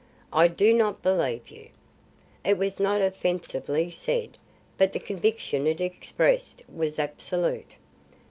"I do not believe you." It was not offensively said; but the conviction it expressed was absolute.